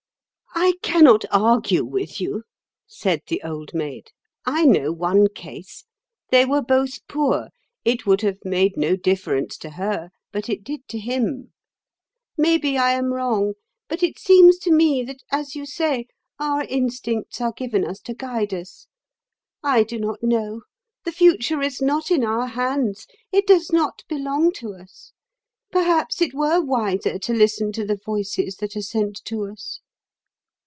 "I cannot argue with you," said the Old Maid. "I know one case. They were both poor; it would have made no difference to her, but it did to him. Maybe I am wrong, but it seems to me that, as you say, our instincts are given us to guide us. I do not know. The future is not in our hands; it does not belong to us. Perhaps it were wiser to listen to the voices that are sent to us."